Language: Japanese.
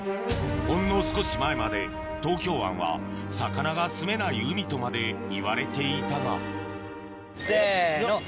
ほんの少し前まで東京湾は魚がすめない海とまでいわれていたがせの！